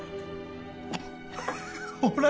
ほら